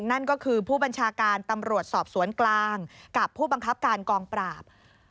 นั่นก็คือผู้บัญชาการตำรวจสอบสวนกลางกับผู้บังคับการกองปราบ